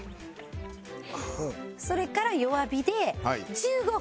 それから弱火で１５分。